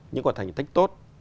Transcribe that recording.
những quả thành tích tốt